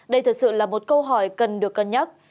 đây thực sự là một câu hỏi cần được cân nhắc